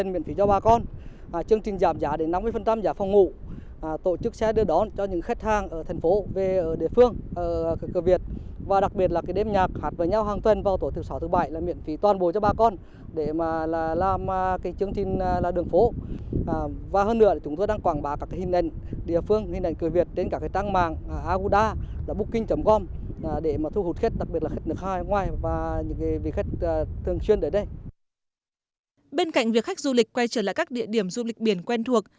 bên cạnh việc khách du lịch quay trở lại các địa điểm du lịch biển quen thuộc